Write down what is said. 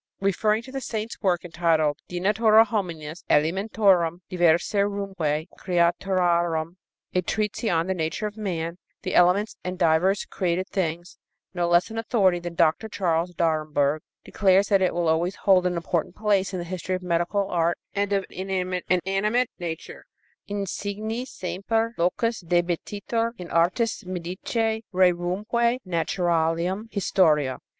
Referring to the Saint's work entitled De Natura Hominis, Elementorum, Diversarumque Creaturarum a treatise on the nature of man, the elements and divers created things no less an authority than Dr. Charles Daremberg declares that it will always hold an important place in the history of medical art and of inanimate and animate nature insignis semper locus debetitur in artis medicæ rerumque naturalium historia.